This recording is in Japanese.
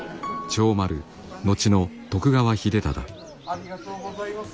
ありがとうございます。